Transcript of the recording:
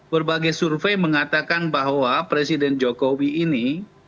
berbagai survei mengatakan bahwa presiden jokowi ini